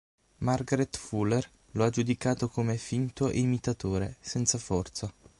Margaret Fuller lo ha giudicato come “finto e imitatore”, senza forza.